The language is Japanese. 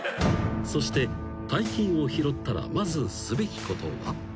［そして大金を拾ったらまずすべきことは？］